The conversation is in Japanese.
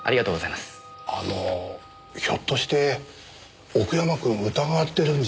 あのひょっとして奥山くん疑われてるんじゃ。